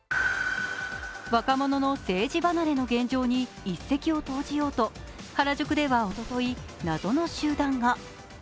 若者の政治離れの現状に一石を投じようと原宿ではおととい、謎の集団が。